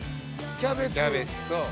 キャベツと。